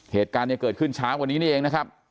เหตุการณ์เนี่ยเกิดขึ้นเช้าวันนี้นี่เองนะครับ